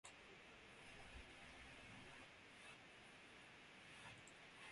Следует также провести обзор методов работы и процедур Комиссии по разоружению.